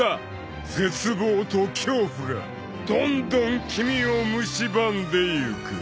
［絶望と恐怖がどんどん君をむしばんでゆく］